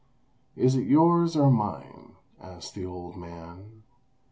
"Is it yours or mine?" asked the old man.